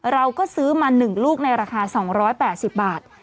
เราก็ซื้อมา๑ลูกในราคา๒๘๐บาท